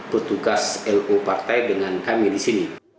petugas lo partai dengan kami di sini